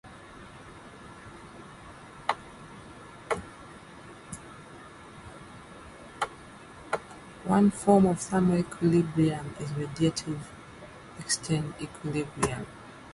One form of thermal equilibrium is radiative exchange equilibrium.